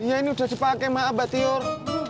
iya ini udah di pakai maaf mbak tiur